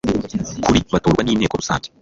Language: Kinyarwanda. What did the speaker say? kuri batorwa n inteko rusange